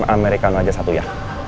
americano aja satu ya